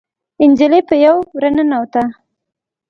نجلۍ په يوه وره ننوته.